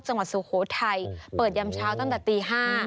สุโขทัยเปิดยำเช้าตั้งแต่ตี๕